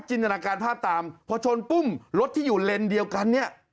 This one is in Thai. ตนาการภาพตามพอชนปุ๊บรถที่อยู่เลนเดียวกันเนี่ย